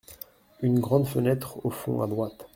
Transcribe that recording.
Une grande fenêtre au fond, à droite.